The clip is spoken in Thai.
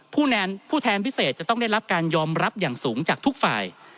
ผู้แทนพิเศษจะต้องได้รับการยอมรับอย่างสูงจากทุกฝ่าย